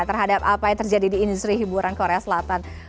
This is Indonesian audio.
terhadap apa yang terjadi di industri hiburan korea selatan